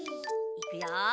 いくよ！